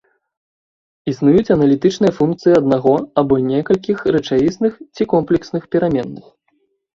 Існуюць аналітычныя функцыі аднаго або некалькіх рэчаісных ці камплексных пераменных.